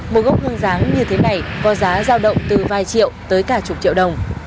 một gốc hương giáng như thế này có giá giao động từ vài triệu tới cả chục triệu đồng